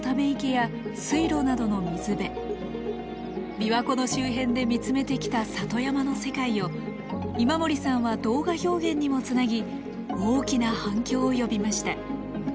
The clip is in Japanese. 琵琶湖の周辺で見つめてきた里山の世界を今森さんは動画表現にもつなぎ大きな反響を呼びました。